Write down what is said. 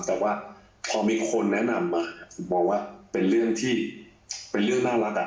แต่ว่าพอมีคนแนะนำมามองว่าเป็นเรื่องที่เป็นเรื่องน่ารัก